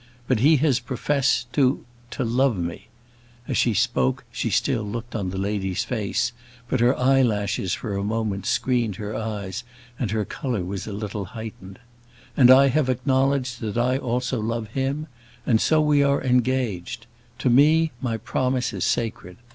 But he has professed to to love me" as she spoke, she still looked on the lady's face, but her eyelashes for a moment screened her eyes, and her colour was a little heightened "and I have acknowledged that I also love him, and so we are engaged. To me my promise is sacred.